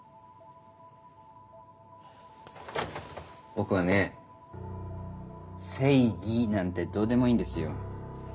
僕はね正義なんてどうでもいいんですよ。